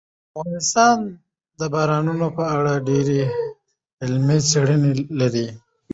افغانستان د بارانونو په اړه ډېرې علمي څېړنې لري.